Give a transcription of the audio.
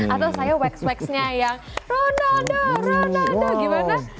atau saya wax waxnya yang ronda onda ronda onda gimana